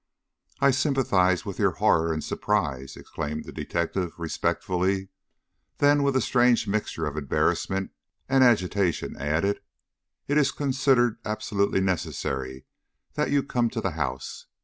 "I sympathize with your horror and surprise," exclaimed the detective, respectfully. Then, with a strange mixture of embarrassment and agitation, added: "It is considered absolutely necessary that you come to the house.